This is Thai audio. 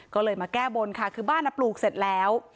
ก็เลยมาแก้บนค่ะคือบ้านปลูกเสร็จแล้ว